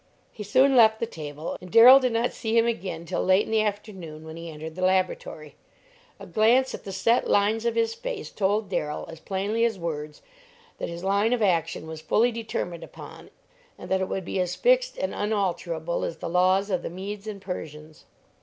He soon left the table, and Darrell did not see him again till late in the afternoon, when he entered the laboratory. A glance at the set lines of his face told Darrell as plainly as words that his line of action was fully determined upon, and that it would be as fixed and unalterable as the laws of the Medes and Persians.